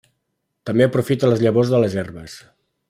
També aprofita les llavors de les herbes.